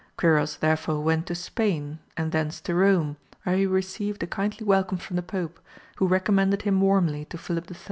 Quiros therefore went to Spain and thence to Rome, where he received a kindly welcome from the Pope, who recommended him warmly to Philip III.